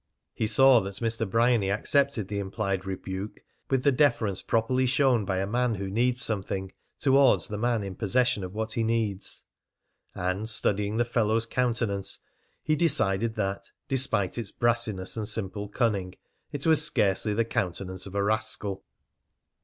He saw that Mr. Bryany accepted the implied rebuke with the deference properly shown by a man who needs something towards the man in possession of what he needs. And studying the fellow's countenance, he decided that, despite its brassiness and simple cunning, it was scarcely the countenance of a rascal.